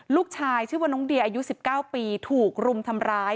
ชื่อว่าน้องเดียอายุ๑๙ปีถูกรุมทำร้าย